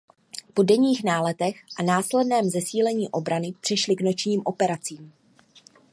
Po denních náletech a následném zesílení obrany přešly k nočním operacím.